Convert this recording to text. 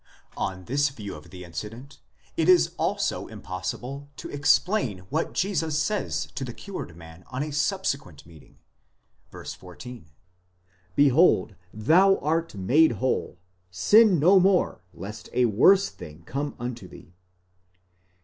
® On this view of the incident it is also impossible to explain what Jesus says to the cured man on a subsequent meeting (v. 14): Behold thou art made whole; sin no more lest a worse thing come unto thee.